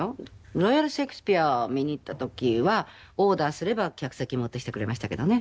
ロイヤル・シェイクスピア見に行った時はオーダーすれば客席に持ってきてくれましたけどね。